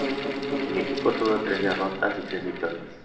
El equipo tuvo tres derrotas y tres victorias.